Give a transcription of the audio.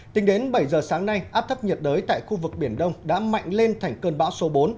tính đến bảy giờ sáng nay áp thấp nhiệt đới tại khu vực biển đông đã mạnh lên thành cơn bão số bốn